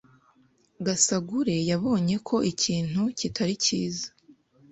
Gasagure yabonye ko ikintu kitari cyiza.